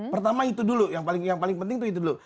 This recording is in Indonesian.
pertama itu dulu yang paling penting itu itu dulu